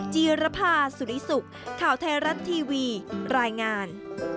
จีรภาสุริสุขข่าวไทยรัฐทีวีรายงาน